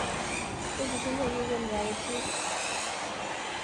又娶孙权宗族的女儿为妻。